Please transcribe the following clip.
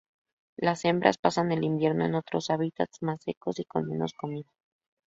Las hembras pasan el invierno en otros hábitats más secos y con menos comida.